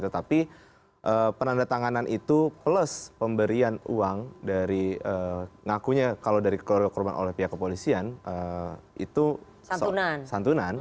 tetapi penandatanganan itu plus pemberian uang dari ngakunya kalau dari keluarga korban oleh pihak kepolisian itu santunan